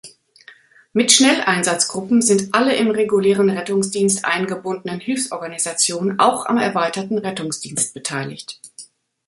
Mit Schnelleinsatzgruppen sind alle im regulären Rettungsdienst eingebundenen Hilfsorganisationen auch am erweiterten Rettungsdienst beteiligt.